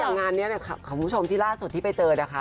งานนี้คุณผู้ชมที่ล่าสุดที่ไปเจอนะคะ